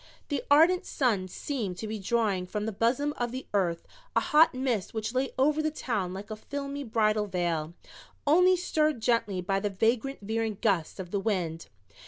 The ardent sun seemed to be drawing from the bosom of the earth a hot mist which lay over the town like a filmy bridal veil, only stirred gently by the vagrant veering gusts of wind.